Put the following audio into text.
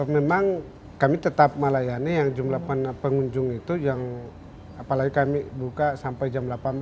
memang kami tetap melayani yang jumlah pengunjung itu yang apalagi kami buka sampai jam delapan belas